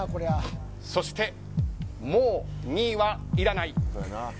そして、もう２位はいらない。